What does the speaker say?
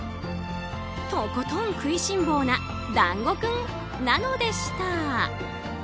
とことん食いしん坊なだんご君なのでした。